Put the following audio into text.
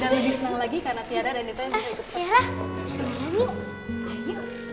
dan lebih senang lagi karena tiara dan neto yang bisa itu